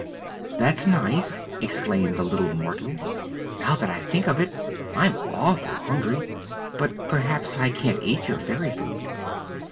"That's nice," exclaimed the small mortal. "Now that I think of it, I'm awful hungry. But p'raps I can't eat your fairy food."